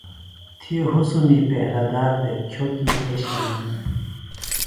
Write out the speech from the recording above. تھی حُسنی پیرہ دار دےۡ کھیوۡ کیۡ اے شمع۔